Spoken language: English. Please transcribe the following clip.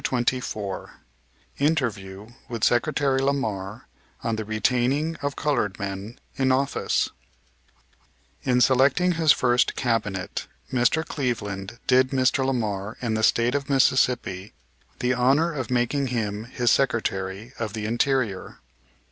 CHAPTER XXIV INTERVIEW WITH SECRETARY LAMAR ON THE RETAINING OF COLORED MEN IN OFFICE In selecting his first cabinet Mr. Cleveland did Mr. Lamar and the State of Mississippi the honor of making him his Secretary of the Interior.